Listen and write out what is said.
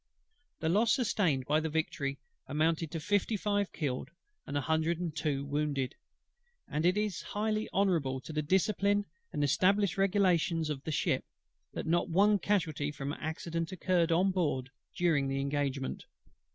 The loss sustained by the Victory amounted to fifty five killed, and a hundred and two wounded; and it is highly honourable to the discipline and established regulations of the ship, that not one casualty from accident occurred on board during the engagement.